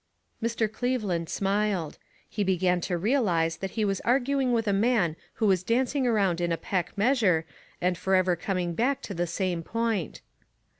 Mr. Cleveland smiled ; he began to real ize that he was arguing with a man who was dancing around in a peck measure, and forever coming back to the same point.